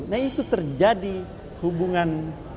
nah itu terjadi hubungan